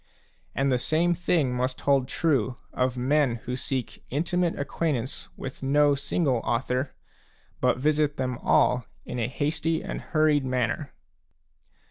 And the same thing must hold true of men who seek intimate acquaint ance with no single author, but visit them all in a hasty and hurried manner.